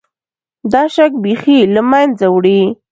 دا شک بیخي له منځه وړي.